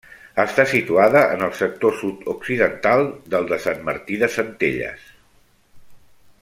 Està situada en el sector sud-occidental del de Sant Martí de Centelles.